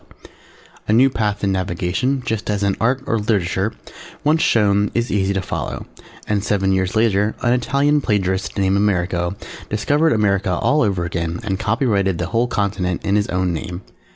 A new path in Navigation, just as in Art or Literature, once shown, is easy to follow, and seven years later an Italian plagiarist named Amerigo discovered America all over again and copyrighted the whole continent in his own name.